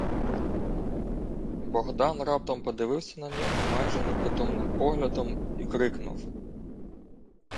Богдан раптом подивився на нього майже непритомним поглядом и крикнув: